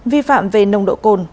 vi phạm về nông độ cồn